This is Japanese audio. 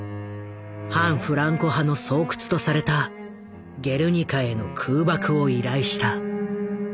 反フランコ派の巣窟とされたゲルニカへの空爆を依頼した。